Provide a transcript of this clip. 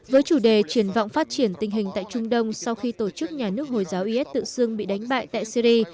với chủ đề triển vọng phát triển tình hình tại trung đông sau khi tổ chức nhà nước hồi giáo is tự xưng bị đánh bại tại syri